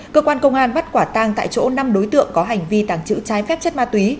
cơ quan công an bắt quả tang tại chỗ năm đối tượng có hành vi tàng trữ trái phép chất ma túy